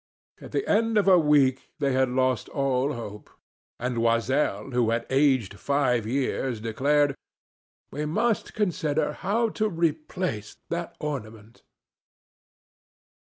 At the end of a week they had lost all hope. And Loisel, who had aged five years, declared: "We must consider how to replace that ornament."